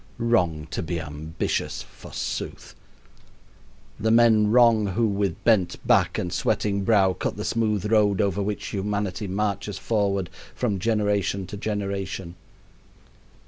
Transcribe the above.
Wrong to be ambitious, forsooth! The men wrong who, with bent back and sweating brow, cut the smooth road over which humanity marches forward from generation to generation!